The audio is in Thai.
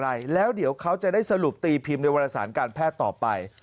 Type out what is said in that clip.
อะไรแล้วเดี๋ยวเขาจะได้สรุปตีพิมพ์ในวรสารการแพทย์ต่อไป